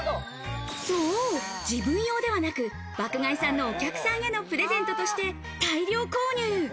そう、自分用ではなく爆買いさんのお客さんへのプレゼントとして大量購入。